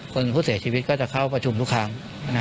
คนผู้เสียชีวิตก็จะเข้าประชุมทุกครั้ง